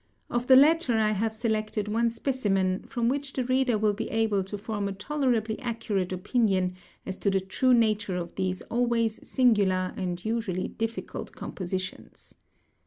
Of the latter, I have selected one specimen, from which the reader will be able to form a tolerably accurate opinion as to the true nature of these always singular and usually difficult compositions.